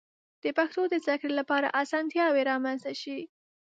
د پښتو د زده کړې لپاره آسانتیاوې رامنځته شي.